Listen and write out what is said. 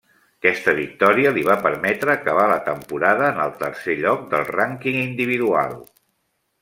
Aquesta victòria li va permetre acabar la temporada en el tercer lloc del rànquing individual.